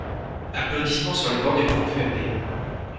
(Applaudissements sur les bancs du groupe UMP.